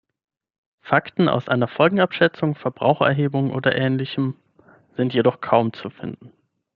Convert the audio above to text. Fakten aus einer Folgenabschätzung, Verbrauchererhebung oder ähnlichem sind jedoch kaum zu finden.